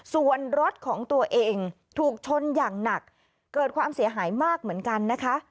ส่วนรถของตัวเองถูกชนอย่างหนักเกิดความเสียหายมากเหมือนกันนะคะ